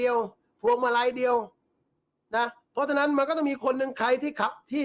นี่ค่ะถนายเดชาออกมาไลฟ์เอาไว้แบบนี้